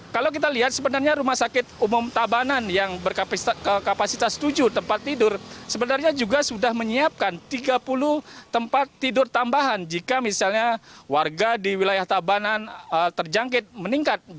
kalau kita lihat sebenarnya rumah sakit umum tabanan yang berkapasitas tujuh tempat tidur sebenarnya juga sudah menyiapkan tiga puluh tempat tidur tambahan jika misalnya warga di wilayah tabanan terjangkit meningkat